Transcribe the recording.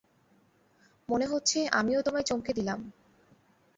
মনে হচ্ছে আমিও তোমায় চমকে দিলাম।